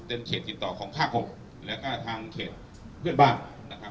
เป็นเขตติดต่อของภาค๖แล้วก็ทางเขตเพื่อนบ้านนะครับ